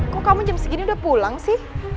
kok kamu jam segini udah pulang sih